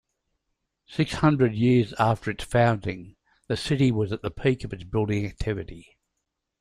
Six hundred years after its founding, the city was at the peak of its building activity.